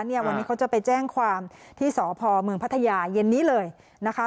วันนี้เขาจะไปแจ้งความที่สพเมืองพัทยาเย็นนี้เลยนะคะ